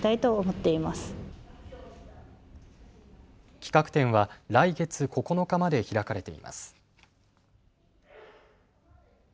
企画展は来月９日まで開かれています。